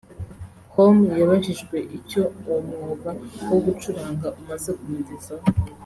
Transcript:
com yabajijwe icyo uyu mwuga wo gucuranga umaze kumugezaho